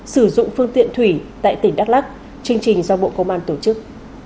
sử dụng phương tiện thủy tại tỉnh đắk lắc chương trình do bộ công an tổ chức